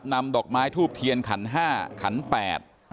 นำดอกไม้ทูบเทียนขันห้าขันแปด